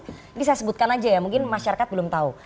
ini saya sebutkan aja ya mungkin masyarakat belum tahu